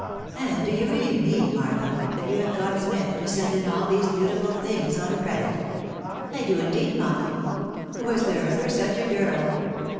"And do you really mean, Martha, that you have got Smith to send in all these beautiful things on credit?" 41 1 do, indeed, mamma." <c Was there ever such a girl